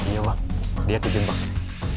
ya dia tuh dimaksud